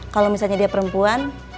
kalau misalnya dia perempuan